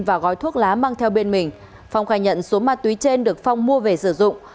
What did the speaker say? và gói thuốc lá mang theo bên mình phong khai nhận số ma túy trên được phong mua về sử dụng